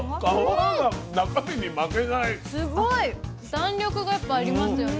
弾力がやっぱありますよね。